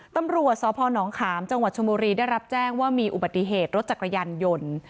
ตำรวจสพนขามจังหวัดชมบุรีได้รับแจ้งว่ามีอุบัติเหตุรถจักรยานยนต์